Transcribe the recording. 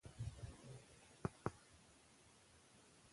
ښکلا وستایئ.